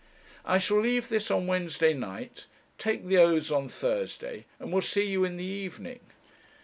'I shall leave this on Wednesday night, take the oaths on Thursday, and will see you in the evening.